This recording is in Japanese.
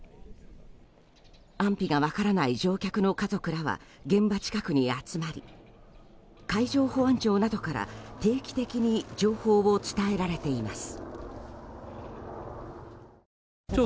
安否が分からない乗客の家族らは現場近くに集まり海上保安庁などから定期的に情報を伝えられています。